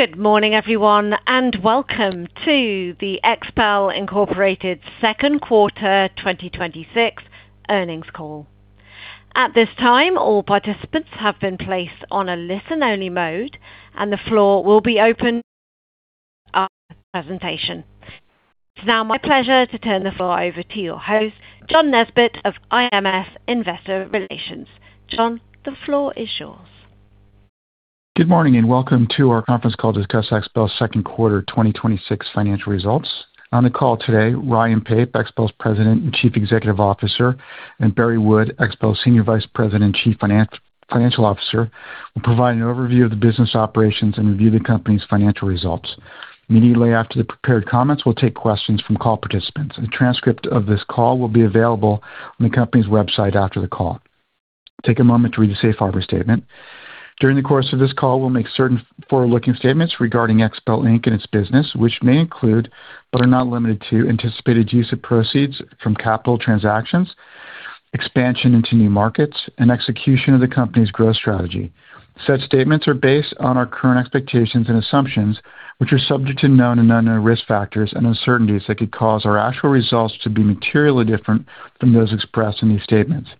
Good morning, everyone, and welcome to the XPEL, Inc. second quarter 2026 earnings call. At this time, all participants have been placed on a listen-only mode, and the floor will be open after the presentation. It's now my pleasure to turn the floor over to your host, John Nesbett of IMS Investor Relations. John, the floor is yours. Good morning, and welcome to our conference call to discuss XPEL's second quarter 2026 financial results. On the call today, Ryan Pape, XPEL's President and Chief Executive Officer, and Barry Wood, XPEL's Senior Vice President and Chief Financial Officer, will provide an overview of the business operations and review the company's financial results. Immediately after the prepared comments, we'll take questions from call participants. A transcript of this call will be available on the company's website after the call. Take a moment to read the Safe Harbor statement. During the course of this call, we'll make certain forward-looking statements regarding XPEL Inc. and its business, which may include, but are not limited to anticipated use of proceeds from capital transactions, expansion into new markets, and execution of the company's growth strategy. Such statements are based on our current expectations and assumptions, which are subject to known and unknown risk factors and uncertainties that could cause our actual results to be materially different from those expressed in these statements.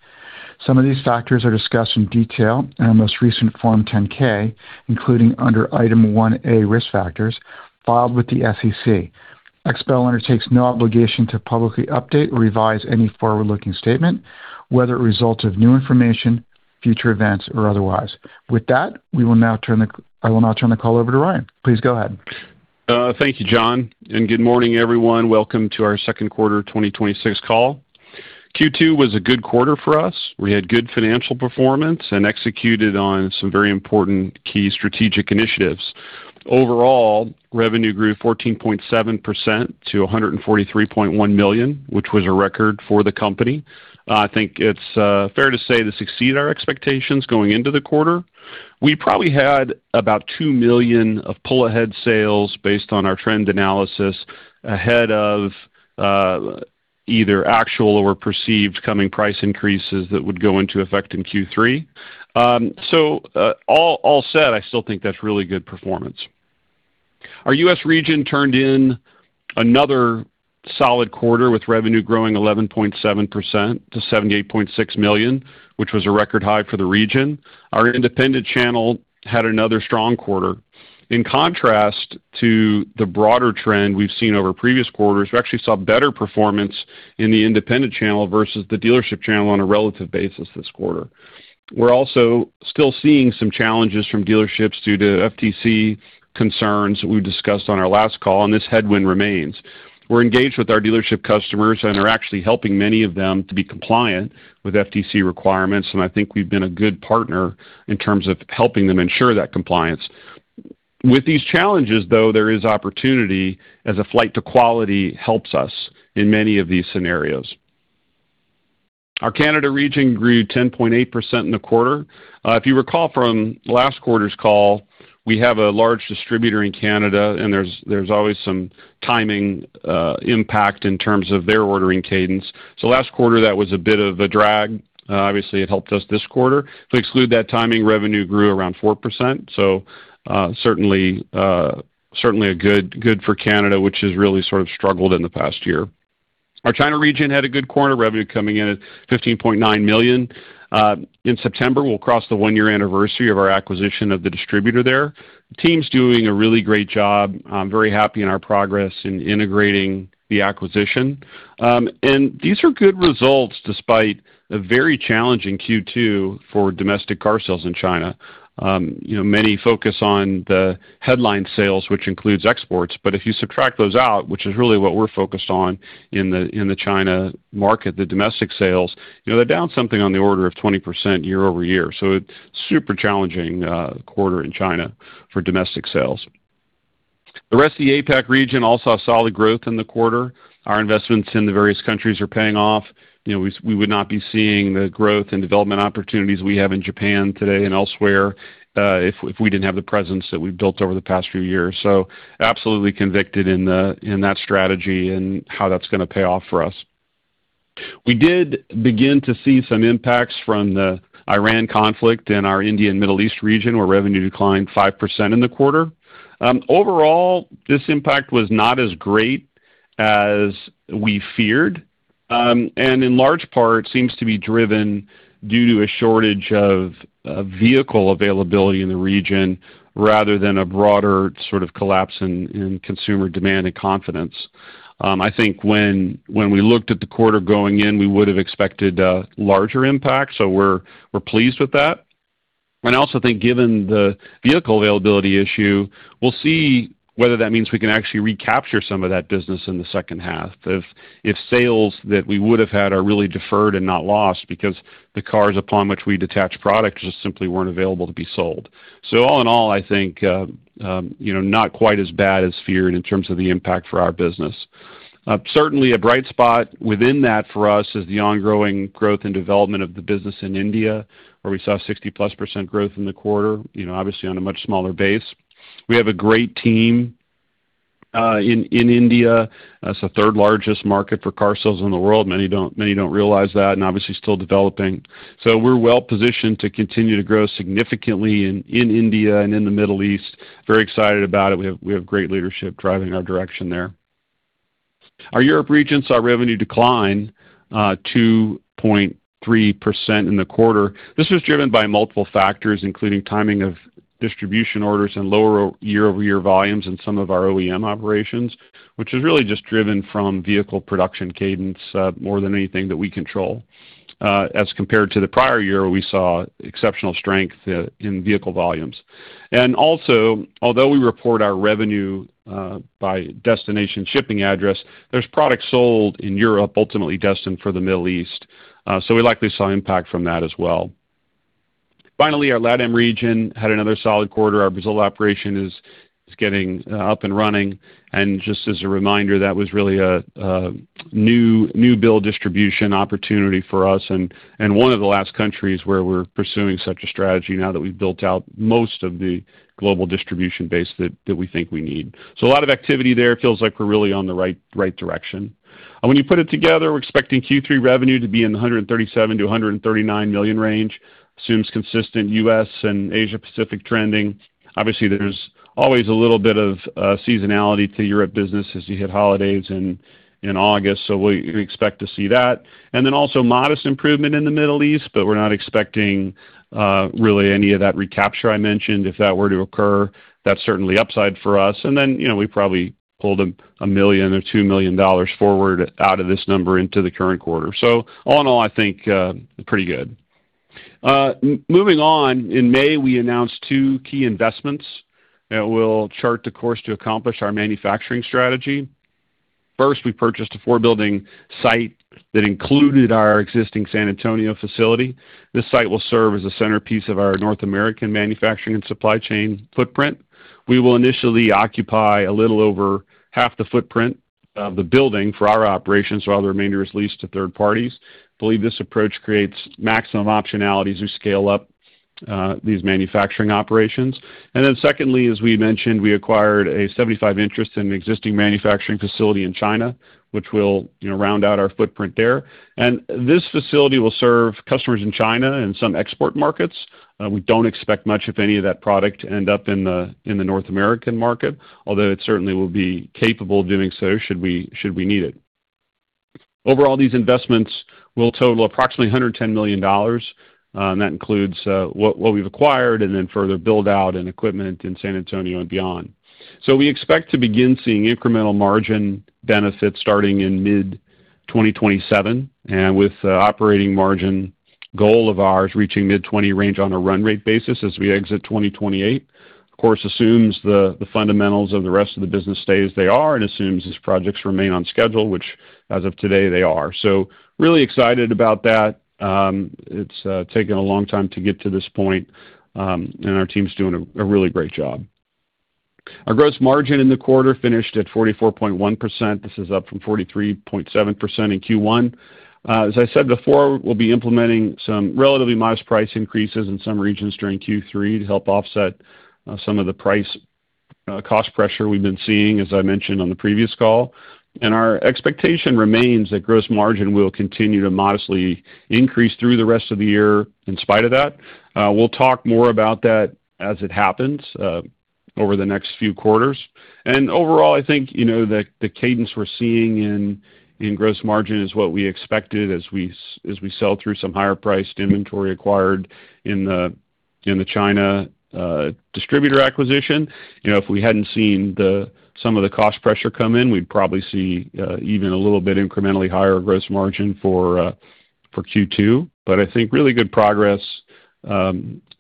Some of these factors are discussed in detail in our most recent Form 10-K, including under Item 1A Risk Factors filed with the SEC. XPEL undertakes no obligation to publicly update or revise any forward-looking statement, whether it results of new information, future events, or otherwise. With that, I will now turn the call over to Ryan. Please go ahead. Thank you, John, and good morning, everyone. Welcome to our second quarter 2026 call. Q2 was a good quarter for us. We had good financial performance and executed on some very important key strategic initiatives. Overall, revenue grew 14.7% to $143.1 million, which was a record for the company. I think it's fair to say this exceeded our expectations going into the quarter. We probably had about $2 million of pull-ahead sales based on our trend analysis ahead of either actual or perceived coming price increases that would go into effect in Q3. All said, I still think that's really good performance. Our U.S. region turned in another solid quarter with revenue growing 11.7% to $78.6 million, which was a record high for the region. Our independent channel had another strong quarter. In contrast to the broader trend we've seen over previous quarters, we actually saw better performance in the independent channel versus the dealership channel on a relative basis this quarter. We're also still seeing some challenges from dealerships due to FTC concerns we discussed on our last call, and this headwind remains. We're engaged with our dealership customers and are actually helping many of them to be compliant with FTC requirements, and I think we've been a good partner in terms of helping them ensure that compliance. With these challenges, though, there is opportunity as a flight to quality helps us in many of these scenarios. Our Canada region grew 10.8% in the quarter. If you recall from last quarter's call, we have a large distributor in Canada, and there's always some timing impact in terms of their ordering cadence. Last quarter, that was a bit of a drag. Obviously, it helped us this quarter. To exclude that timing, revenue grew around 4%. Certainly, good for Canada, which has really sort of struggled in the past year. Our China region had a good quarter, revenue coming in at $15.9 million. In September, we'll cross the one-year anniversary of our acquisition of the distributor there. Team's doing a really great job. I'm very happy in our progress in integrating the acquisition. These are good results despite a very challenging Q2 for domestic car sales in China. Many focus on the headline sales, which includes exports, but if you subtract those out—which is really what we're focused on in the China market, the domestic sales—they're down something on the order of 20% year-over-year. Super challenging quarter in China for domestic sales. The rest of the APAC region also saw solid growth in the quarter. Our investments in the various countries are paying off. We would not be seeing the growth and development opportunities we have in Japan today and elsewhere if we didn't have the presence that we've built over the past few years. Absolutely convicted in that strategy and how that's going to pay off for us. We did begin to see some impacts from the Iran conflict in our India and Middle East region, where revenue declined 5% in the quarter. Overall, this impact was not as great as we feared. In large part seems to be driven due to a shortage of vehicle availability in the region rather than a broader sort of collapse in consumer demand and confidence. I think when we looked at the quarter going in, we would have expected a larger impact, so we're pleased with that. I also think given the vehicle availability issue, we'll see whether that means we can actually recapture some of that business in the second half if sales that we would have had are really deferred and not lost because the cars upon which we detach product just simply weren't available to be sold. All in all, I think not quite as bad as feared in terms of the impact for our business. Certainly a bright spot within that for us is the ongoing growth and development of the business in India, where we saw 60%+ growth in the quarter, obviously on a much smaller base. We have a great team In India, that's the third largest market for car sales in the world. Many don't realize that, and obviously still developing. We're well-positioned to continue to grow significantly in India and in the Middle East. Very excited about it. We have great leadership driving our direction there. Our Europe regions saw revenue decline, 2.3% in the quarter. This was driven by multiple factors, including timing of distribution orders and lower year-over-year volumes in some of our OEM operations, which is really just driven from vehicle production cadence more than anything that we control. As compared to the prior year, we saw exceptional strength in vehicle volumes. Also, although we report our revenue by destination shipping address, there's product sold in Europe, ultimately destined for the Middle East. We likely saw impact from that as well. Finally, our LATAM region had another solid quarter. Our Brazil operation is getting up and running. Just as a reminder, that was really a new build distribution opportunity for us and one of the last countries where we're pursuing such a strategy now that we've built out most of the global distribution base that we think we need. A lot of activity there. Feels like we're really on the right direction. When you put it together, we're expecting Q3 revenue to be in $137 million-$139 million range. Assumes consistent U.S. and Asia Pacific trending. Obviously, there's always a little bit of seasonality to Europe business as you hit holidays in August. We expect to see that. Also, modest improvement in the Middle East, but we're not expecting really any of that recapture I mentioned. If that were to occur, that's certainly upside for us. We probably pulled $1 million or $2 million forward out of this number into the current quarter. All in all, I think pretty good. Moving on. In May, we announced two key investments that will chart the course to accomplish our manufacturing strategy. First, we purchased a four-building site that included our existing San Antonio facility. This site will serve as a centerpiece of our North American manufacturing and supply chain footprint. We will initially occupy a little over half the footprint of the building for our operations, while the remainder is leased to third parties. We believe this approach creates maximum optionality as we scale up these manufacturing operations. Secondly, as we mentioned, we acquired a 75% interest in an existing manufacturing facility in China, which will round out our footprint there. This facility will serve customers in China and some export markets. We don't expect much of any of that product to end up in the North American market, although it certainly will be capable of doing so should we need it. Overall, these investments will total approximately $110 million, and that includes what we've acquired and then further build out and equipment in San Antonio and beyond. We expect to begin seeing incremental margin benefits starting in mid-2027, and with operating margin goal of ours reaching mid-20% range on a run rate basis as we exit 2028. Of course, this assumes the fundamentals of the rest of the business stay as they are and assumes these projects remain on schedule, which as of today, they are. Really excited about that. It's taken a long time to get to this point, and our team's doing a really great job. Our gross margin in the quarter finished at 44.1%. This is up from 43.7% in Q1. As I said before, we'll be implementing some relatively modest price increases in some regions during Q3 to help offset some of the price cost pressure we've been seeing, as I mentioned on the previous call. Our expectation remains that gross margin will continue to modestly increase through the rest of the year in spite of that. We'll talk more about that as it happens over the next few quarters. Overall, I think, the cadence we're seeing in gross margin is what we expected as we sell through some higher priced inventory acquired in the China distributor acquisition. If we hadn't seen some of the cost pressure come in, we'd probably see even a little bit incrementally higher gross margin for Q2. I think really good progress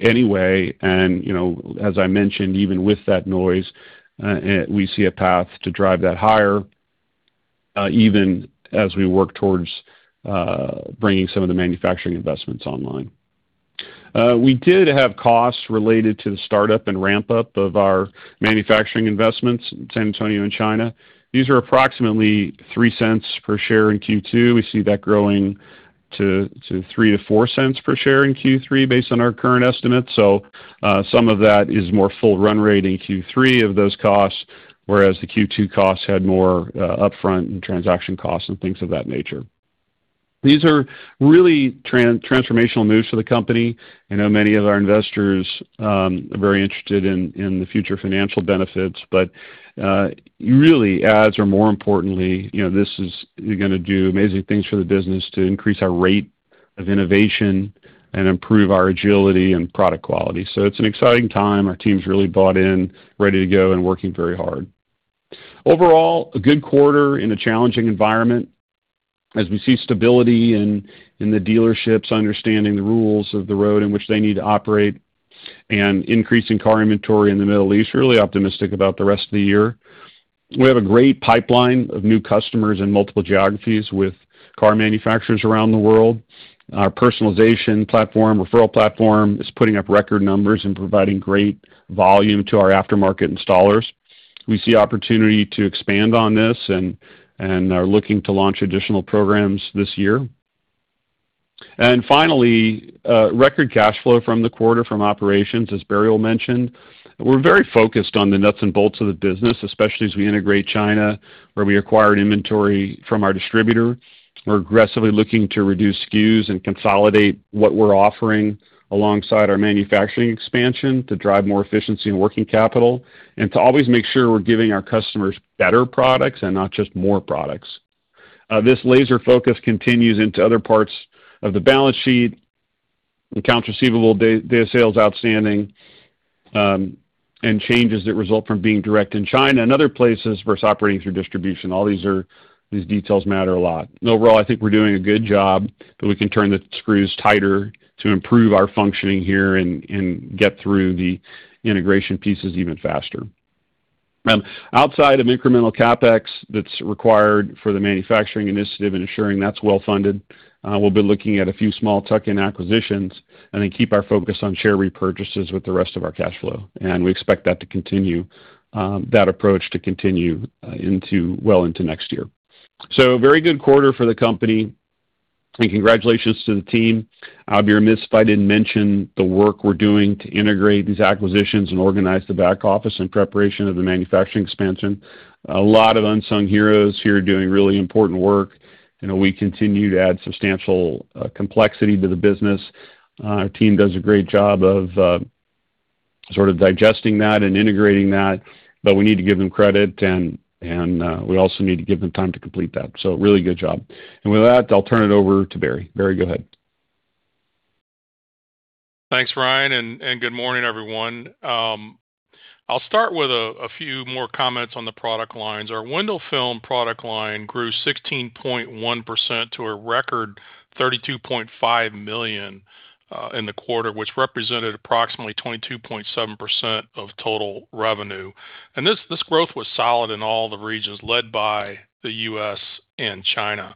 anyway, and as I mentioned, even with that noise, we see a path to drive that higher, even as we work towards bringing some of the manufacturing investments online. We did have costs related to the startup and ramp-up of our manufacturing investments in San Antonio and China. These are approximately $0.03 per share in Q2. We see that growing to $0.03-$0.04 per share in Q3 based on our current estimates. Some of that is more full run rate in Q3 of those costs, whereas the Q2 costs had more upfront and transaction costs and things of that nature. These are really transformational moves for the company. I know many of our investors are very interested in the future financial benefits, but really, as or more importantly, this is going to do amazing things for the business to increase our rate of innovation and improve our agility and product quality. It's an exciting time. Our team's really bought in, ready to go, and working very hard. Overall, a good quarter in a challenging environment. As we see stability in the dealerships, understanding the rules of the road in which they need to operate, and increasing car inventory in the Middle East, really optimistic about the rest of the year. We have a great pipeline of new customers in multiple geographies with car manufacturers around the world. Our personalization platform, referral platform is putting up record numbers and providing great volume to our aftermarket installers. We see opportunity to expand on this and are looking to launch additional programs this year. Finally, record cash flow from the quarter from operations, as Barry will mention. We're very focused on the nuts and bolts of the business, especially as we integrate China, where we acquired inventory from our distributor. We're aggressively looking to reduce SKUs and consolidate what we're offering alongside our manufacturing expansion to drive more efficiency and working capital, and to always make sure we're giving our customers better products and not just more products. This laser focus continues into other parts of the balance sheet, accounts receivable, Days Sales Outstanding, and changes that result from being direct in China and other places versus operating through distribution. All these details matter a lot. Overall, I think we're doing a good job, but we can turn the screws tighter to improve our functioning here and get through the integration pieces even faster. Outside of incremental CapEx that's required for the manufacturing initiative and ensuring that's well-funded, we'll be looking at a few small tuck-in acquisitions and then keep our focus on share repurchases with the rest of our cash flow. We expect that approach to continue well into next year. A very good quarter for the company, and congratulations to the team. I'd be remiss if I didn't mention the work we're doing to integrate these acquisitions and organize the back office in preparation of the manufacturing expansion. A lot of unsung heroes here are doing really important work. We continue to add substantial complexity to the business. Our team does a great job of sort of digesting that and integrating that, but we need to give them credit, and we also need to give them time to complete that. Really good job. With that, I'll turn it over to Barry. Barry, go ahead. Thanks, Ryan. Good morning, everyone. I'll start with a few more comments on the product lines. Our window film product line grew 16.1% to a record $32.5 million in the quarter, which represented approximately 22.7% of total revenue. This growth was solid in all the regions, led by the U.S. and China.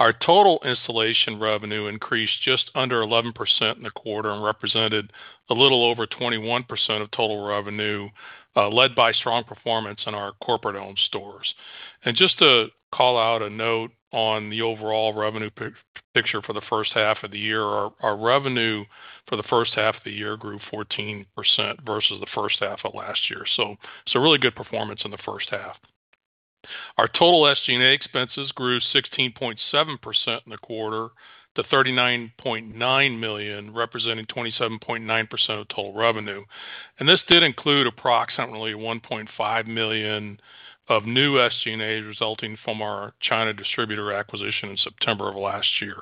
Our total installation revenue increased just under 11% in the quarter and represented a little over 21% of total revenue, led by strong performance in our corporate-owned stores. Just to call out a note on the overall revenue picture for the first half of the year, our revenue for the first half of the year grew 14% versus the first half of last year. Really good performance in the first half. Our total SG&A expenses grew 16.7% in the quarter to $39.9 million, representing 27.9% of total revenue. This did include approximately $1.5 million of new SG&A resulting from our China distributor acquisition in September of last year.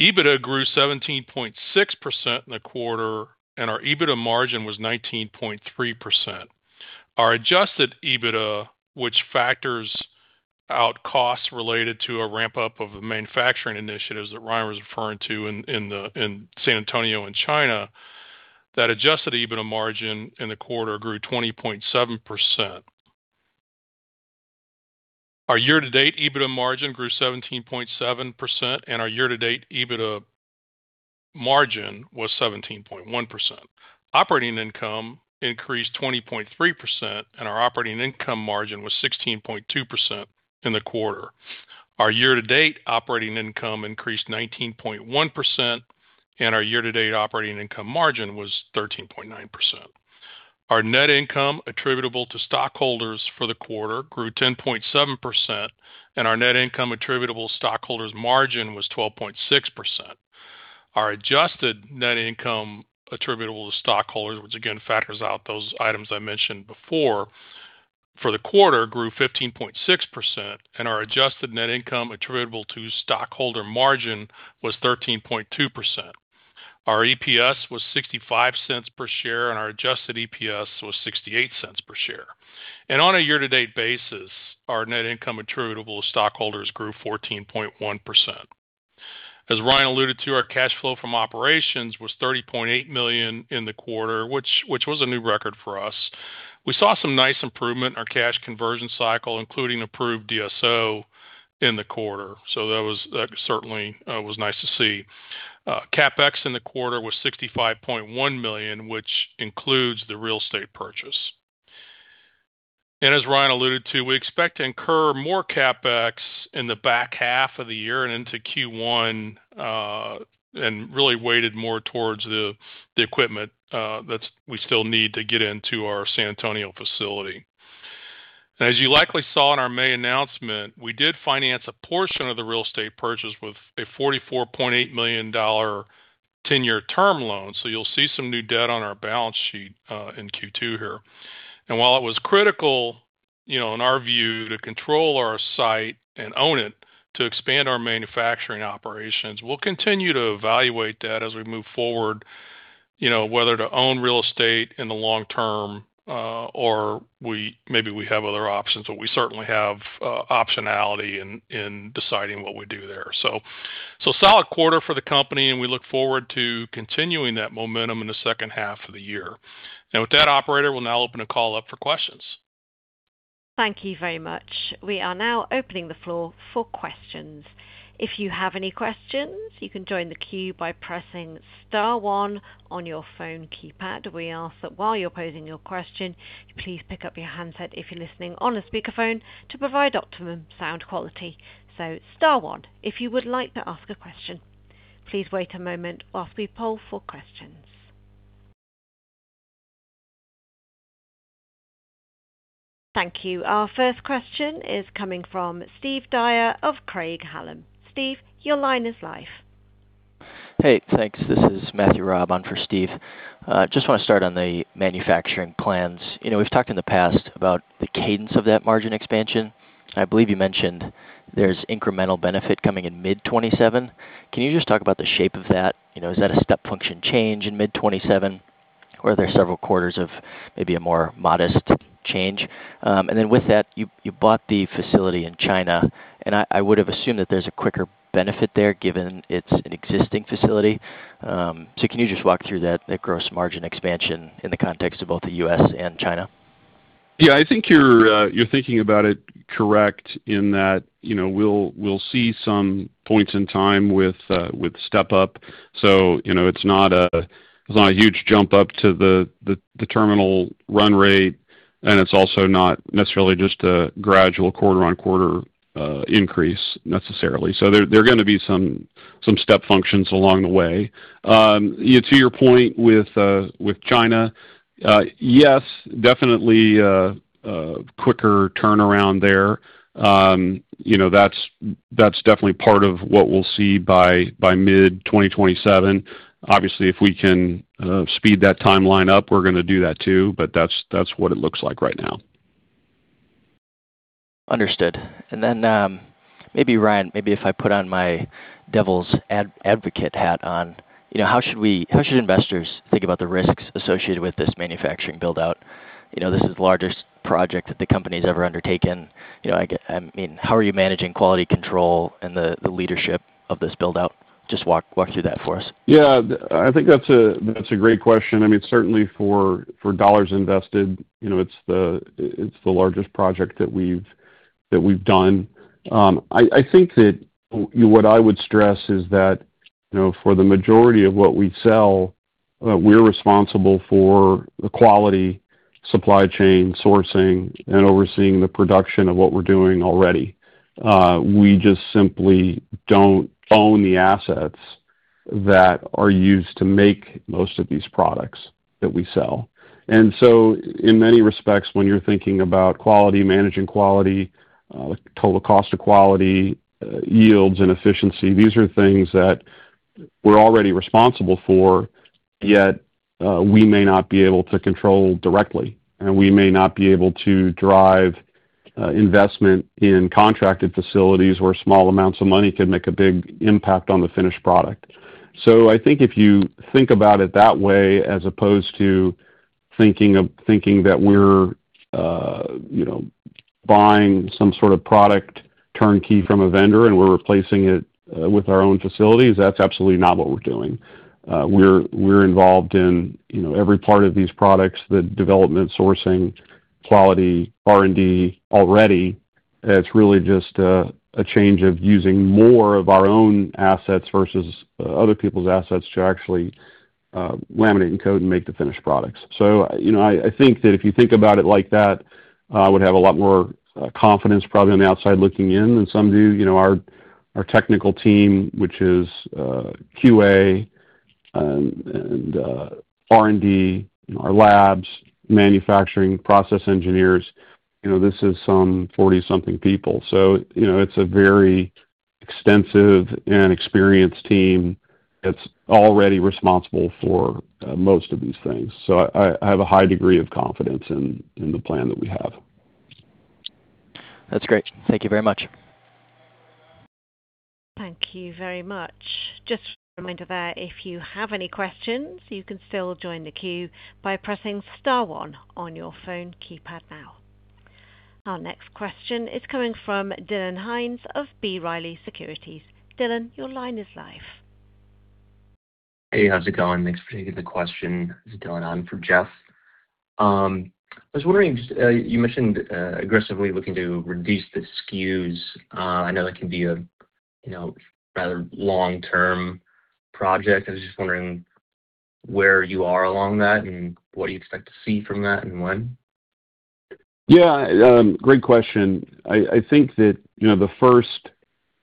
EBITDA grew 17.6% in the quarter, and our EBITDA margin was 19.3%. Our adjusted EBITDA, which factors out costs related to a ramp-up of the manufacturing initiatives that Ryan was referring to in San Antonio and China, that adjusted EBITDA margin in the quarter grew 20.7%. Our year-to-date EBITDA margin grew 17.7%, and our year-to-date EBITDA margin was 17.1%. Operating income increased 20.3%, and our operating income margin was 16.2% in the quarter. Our year-to-date operating income increased 19.1%, and our year-to-date operating income margin was 13.9%. Our net income attributable to stockholders for the quarter grew 10.7%, and our net income attributable to stockholders margin was 12.6%. Our adjusted net income attributable to stockholders, which again factors out those items I mentioned before, for the quarter grew 15.6%. Our adjusted net income attributable to stockholder margin was 13.2%. Our EPS was $0.65 per share, and our adjusted EPS was $0.68 per share. On a year-to-date basis, our net income attributable to stockholders grew 14.1%. As Ryan alluded to, our cash flow from operations was $30.8 million in the quarter, which was a new record for us. We saw some nice improvement in our cash conversion cycle, including improved DSO in the quarter. That certainly was nice to see. CapEx in the quarter was $65.1 million, which includes the real estate purchase. As Ryan alluded to, we expect to incur more CapEx in the back half of the year and into Q1, and really weighted more towards the equipment that we still need to get into our San Antonio facility. As you likely saw in our May announcement, we did finance a portion of the real estate purchase with a $44.8 million 10-year term loan. You'll see some new debt on our balance sheet in Q2 here. While it was critical in our view to control our site and own it to expand our manufacturing operations, we'll continue to evaluate that as we move forward, whether to own real estate in the long term, or maybe we have other options, but we certainly have optionality in deciding what we do there. Solid quarter for the company, and we look forward to continuing that momentum in the second half of the year. Now with that, operator, we'll now open the call up for questions. Thank you very much. We are now opening the floor for questions. If you have any questions, you can join the queue by pressing star-one on your phone keypad. We ask that while you're posing your question, please pick up your handset if you're listening on a speakerphone to provide optimum sound quality. Star-one if you would like to ask a question. Please wait a moment whilst we poll for questions. Thank you. Our first question is coming from Steve Dyer of Craig-Hallum. Steve, your line is live. Hey, thanks. This is Matthew Raab on for Steve. Just want to start on the manufacturing plans. We've talked in the past about the cadence of that margin expansion. I believe you mentioned there's incremental benefit coming in mid 2027. Can you just talk about the shape of that? Is that a step function change in mid 2027 or are there several quarters of maybe a more modest change? With that, you bought the facility in China, and I would have assumed that there's a quicker benefit there given it's an existing facility. Can you just walk through that gross margin expansion in the context of both the U.S. and China? Yeah, I think you're thinking about it correct in that we'll see some points in time with step-up. It's not a huge jump up to the terminal run rate, and it's also not necessarily just a gradual quarter-on-quarter increase necessarily. There are going to be some step functions along the way. To your point with China, yes, definitely a quicker turnaround there. That's definitely part of what we'll see by mid 2027. Obviously, if we can speed that timeline up, we're going to do that too. That's what it looks like right now. Understood. Maybe Ryan, maybe if I put on my devil's advocate hat on, how should investors think about the risks associated with this manufacturing build-out? This is the largest project that the company's ever undertaken. How are you managing quality control and the leadership of this build-out? Just walk through that for us. Yeah. I think that's a great question. Certainly for dollars invested, it's the largest project that we've done. I think that what I would stress is that, for the majority of what we sell, we're responsible for the quality, supply chain, sourcing, and overseeing the production of what we're doing already. We just simply don't own the assets that are used to make most of these products that we sell. In many respects, when you're thinking about quality—managing quality, total cost of quality, yields, and efficiency—these are things that we're already responsible for, yet we may not be able to control directly, and we may not be able to drive investment in contracted facilities where small amounts of money can make a big impact on the finished product. I think if you think about it that way, as opposed to thinking that we're buying some sort of product turnkey from a vendor and we're replacing it with our own facilities, that's absolutely not what we're doing. We're involved in every part of these products, the development, sourcing, quality, R&D already. It's really just a change of using more of our own assets versus other people's assets to actually laminate and code and make the finished products. I think that if you think about it like that, I would have a lot more confidence probably on the outside looking in than some do. Our technical team—which is QA and R&D, our labs, manufacturing, process engineers—this is some 40-something people. It's a very extensive and experienced team that's already responsible for most of these things. I have a high degree of confidence in the plan that we have. That's great. Thank you very much. Thank you very much. Just a reminder there, if you have any questions, you can still join the queue by pressing star-one on your phone keypad now. Our next question is coming from Dylan Hinds of B. Riley Securities. Dylan, your line is live. Hey, how's it going? Thanks for taking the question. This is Dylan. I'm on for Jeff. I was wondering, you mentioned aggressively looking to reduce the SKUs. I know that can be a rather long-term project. I was just wondering where you are along that and what you expect to see from that and when. Yeah. Great question. I think that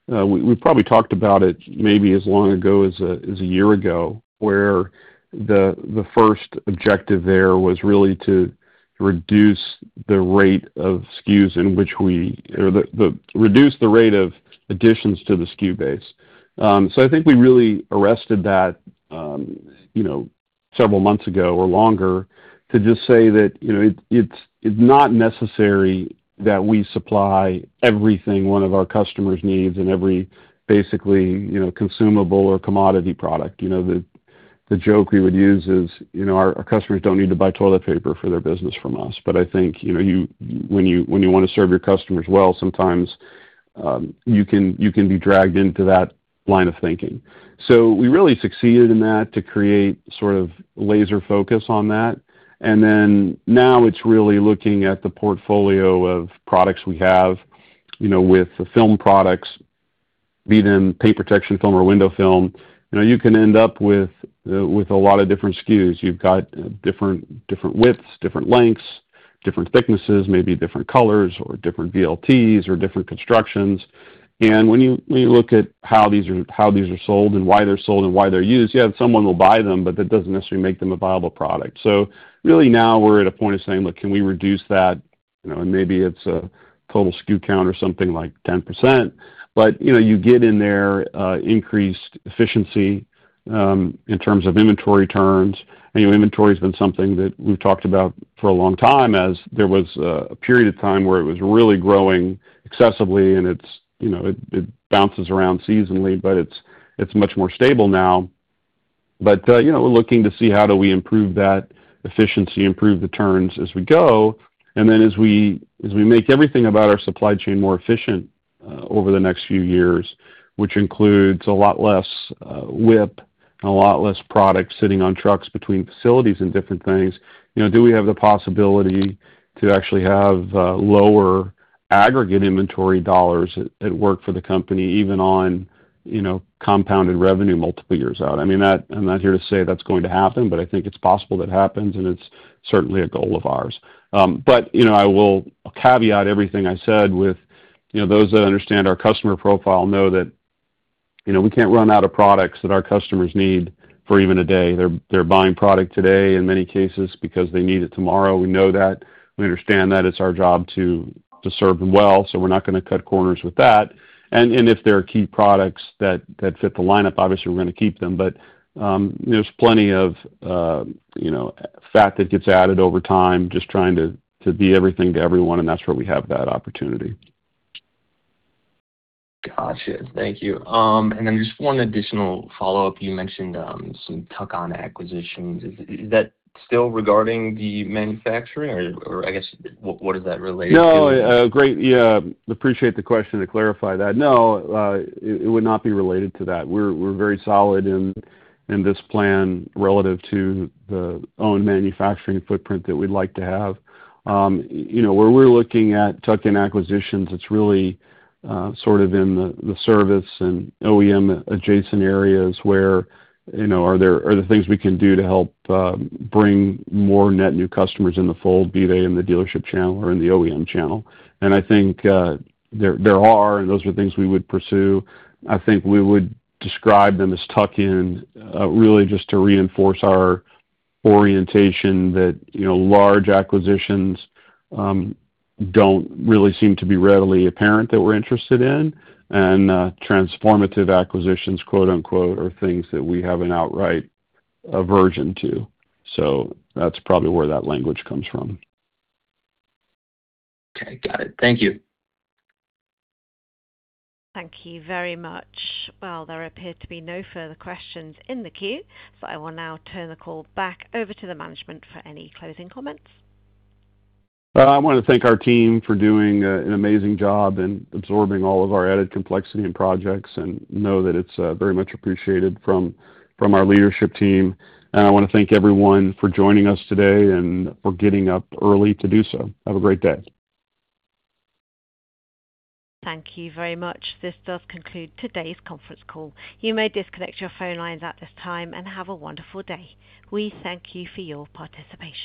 we probably talked about it maybe as long ago as a year ago, where the first objective there was really to reduce the rate of SKUs or reduce the rate of additions to the SKU base. I think we really arrested that several months ago or longer to just say that it's not necessary that we supply everything one of our customers needs in every basically consumable or commodity product. The joke we would use is our customers don't need to buy toilet paper for their business from us. I think when you want to serve your customers well, sometimes you can be dragged into that line of thinking. We really succeeded in that to create sort of laser focus on that, then now it's really looking at the portfolio of products we have with the film products, be them paint protection film or window film. You can end up with a lot of different SKUs. You've got different widths, different lengths. Different thicknesses, maybe different colors or different VLTs or different constructions. When you look at how these are sold and why they're sold and why they're used, yeah, someone will buy them, that doesn't necessarily make them a viable product. Really now we're at a point of saying, "Look, can we reduce that?" Maybe it's a total SKU count or something like 10%, you get in there increased efficiency in terms of inventory turns. Inventory has been something that we've talked about for a long time as there was a period of time where it was really growing excessively, it bounces around seasonally, it's much more stable now. We're looking to see how do we improve that efficiency, improve the turns as we go, then as we make everything about our supply chain more efficient over the next few years, which includes a lot less WIP and a lot less product sitting on trucks between facilities and different things. Do we have the possibility to actually have lower aggregate inventory dollars at work for the company, even on compounded revenue multiple years out? I'm not here to say that's going to happen, I think it's possible it happens, it's certainly a goal of ours. I will caveat everything I said with those that understand our customer profile know that we can't run out of products that our customers need for even a day. They're buying product today in many cases because they need it tomorrow. We know that. We understand that. It's our job to serve them well, so we're not going to cut corners with that. If there are key products that fit the lineup, obviously, we're going to keep them. There's plenty of fat that gets added over time, just trying to be everything to everyone, and that's where we have that opportunity. Got you. Thank you. Just one additional follow-up. You mentioned some tuck-on acquisitions. Is that still regarding the manufacturing? I guess, what does that relate to? No, great. Yeah, appreciate the question to clarify that. No, it would not be related to that. We're very solid in this plan relative to the own manufacturing footprint that we'd like to have. Where we're looking at tuck-in acquisitions, it's really sort of in the service and OEM-adjacent areas where, are there things we can do to help bring more net new customers in the fold, be they in the dealership channel or in the OEM channel? I think there are, and those are things we would pursue. I think we would describe them as tuck-in, really just to reinforce our orientation that large acquisitions don't really seem to be readily apparent that we're interested in, and "transformative acquisitions" are things that we have an outright aversion to. That's probably where that language comes from. Okay, got it. Thank you. Thank you very much. There appear to be no further questions in the queue, I will now turn the call back over to the management for any closing comments. I want to thank our team for doing an amazing job in absorbing all of our added complexity and projects, and know that it's very much appreciated from our leadership team. I want to thank everyone for joining us today and for getting up early to do so. Have a great day. Thank you very much. This does conclude today's conference call. You may disconnect your phone lines at this time, and have a wonderful day. We thank you for your participation.